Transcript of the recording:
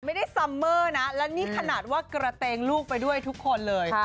ซัมเมอร์นะและนี่ขนาดว่ากระเตงลูกไปด้วยทุกคนเลย